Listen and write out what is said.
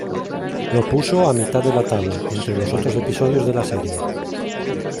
Lo puso a "mitad de la tabla" entre los otros episodios de la serie.